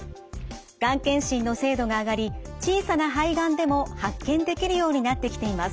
がん検診の精度が上がり小さな肺がんでも発見できるようになってきています。